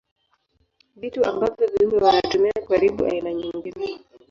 Vitu ambavyo viumbe wanatumia kuharibu aina nyingine.